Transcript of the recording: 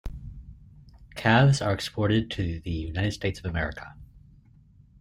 Calves are exported to the United States of America.